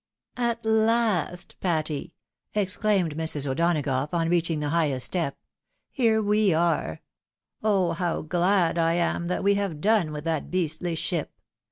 " At last, Patty !" exclaimed Mrs. O'Donagough, on reach ing the highest step, " here we are. Oh ! how glad I am that we have done with that beastly ship